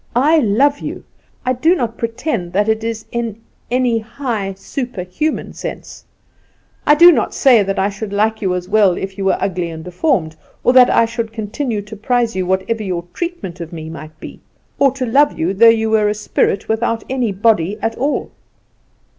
I love you. I do not pretend that it is in any high, superhuman sense; I do not say that I should like you as well if you were ugly and deformed, or that I should continue to prize you whatever your treatment of me might be, or to love you though you were a spirit without any body at all.